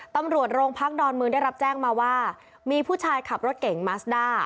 ตำรวจโรงพักดอนเมืองได้รับแจ้งมาว่ามีผู้ชายขับรถเก่งมัสด้า